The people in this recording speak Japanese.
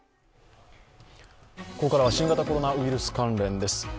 ここからは新型コロナウイルス関連です。